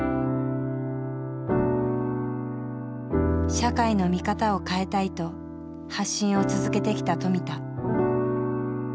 社会の見方を変えたいと発信を続けてきた富田。